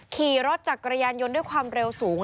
ขี่รถจักรยานยนต์ด้วยความเร็วสูง